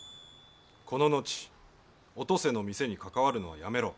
この後お登世の店に関わるのはやめろ。